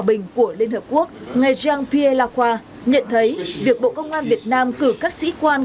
bình của liên hợp quốc nghe giang pia la khoa nhận thấy việc bộ công an việt nam cử các sĩ quan